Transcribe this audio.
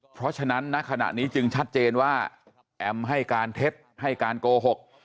เพราะฉะนั้นณขณะนี้จึงชัดเจนว่าแอมให้การเท็จให้การโกหก